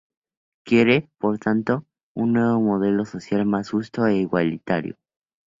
Quiere, por tanto, un nuevo modelo social más justo e igualitario.